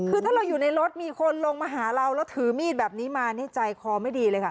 คือถ้าเราอยู่ในรถมีคนลงมาหาเราแล้วถือมีดแบบนี้มานี่ใจคอไม่ดีเลยค่ะ